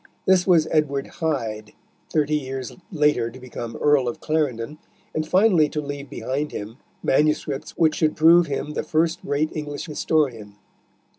This was Edward Hyde, thirty years later to become Earl of Clarendon, and finally to leave behind him manuscripts which should prove him the first great English historian.